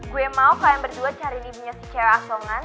gue mau kalian berdua cari dibunya si cewek asongan